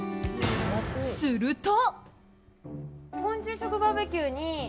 すると。